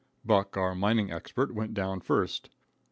Buck, our mining expert, went down first.